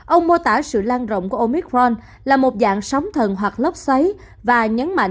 ông mô tả sự lan rộng của omicron là một dạng sóng thần hoặc lốc xoáy và nhấn mạnh